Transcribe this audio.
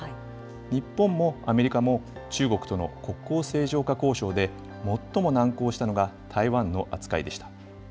日本もアメリカも、中国との国交正常化交渉で最も難航したのが台湾の扱いでした。